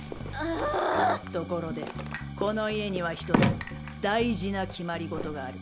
ところでこの家には１つ大事な決まり事がある。